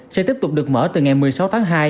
sẽ tiếp tục được mở từ ngày một mươi sáu tháng hai